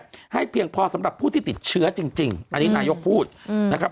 ให้เพียงพอสำหรับผู้ที่ติดเชื้อจริงจริงอันนี้นายกพูดนะครับ